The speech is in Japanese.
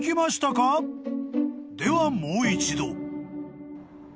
ではもう一度］